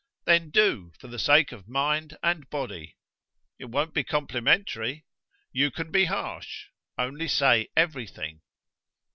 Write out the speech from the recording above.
"Then do, for the sake of mind and body." "It won't be complimentary." "You can be harsh. Only say everything."